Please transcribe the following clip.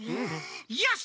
よし！